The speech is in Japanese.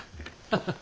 ハハハハ。